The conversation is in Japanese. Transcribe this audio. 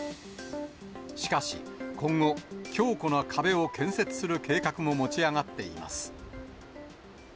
しかし、今後、強固な壁を建設する計画も持ち上がっています。